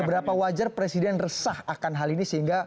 seberapa wajar presiden resah akan hal ini sehingga